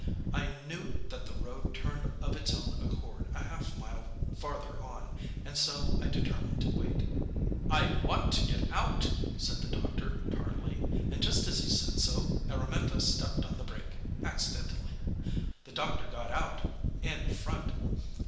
I knew that the road turned of its own accord a half mile farther on, and so I determined to wait. "I want to get out," said the doctor tartly, and just as he said so Araminta stepped on the brake, accidentally. The doctor got out in front.